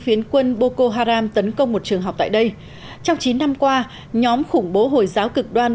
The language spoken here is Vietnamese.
phiến quân bokoharam tấn công một trường học tại đây trong chín năm qua nhóm khủng bố hồi giáo cực đoan